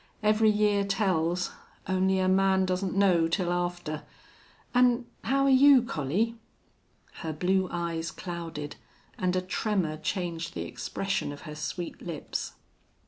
Every year tells. Only a man doesn't know till after.... An' how are you, Collie?" Her blue eyes clouded, and a tremor changed the expression of her sweet lips.